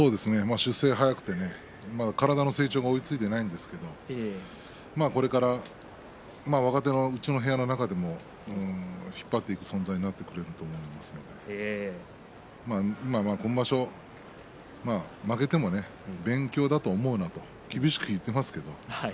出世が早くて体の成長が追いついていないんですけれどもうちの部屋の若手の中でも引っ張っていく存在になってくると思いますので今場所は負けても勉強だと思うなと厳しく言っています。